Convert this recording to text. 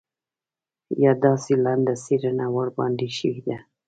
یا داسې لنډه څېړنه ورباندې شوې ده.